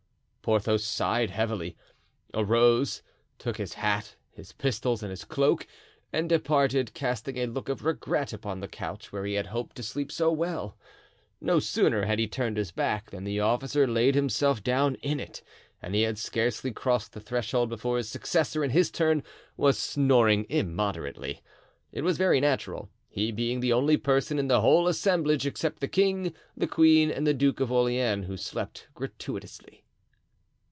Porthos sighed heavily, arose, took his hat, his pistols, and his cloak, and departed, casting a look of regret upon the couch where he had hoped to sleep so well. No sooner had he turned his back than the officer laid himself down in it, and he had scarcely crossed the threshold before his successor, in his turn, was snoring immoderately. It was very natural, he being the only person in the whole assemblage, except the king, the queen, and the Duke of Orleans, who slept gratuitously.